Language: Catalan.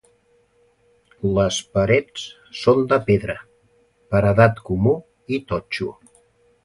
Les parets són de pedra, paredat comú i totxo.